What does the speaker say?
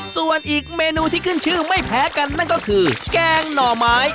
ส่วนอีกเมนูที่ขึ้นชื่อไม่แพ้กันนั่นก็คือแกงหน่อไม้